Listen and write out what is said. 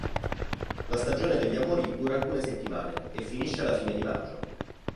La stagione degli amori dura alcune settimane e finisce alla fine di maggio.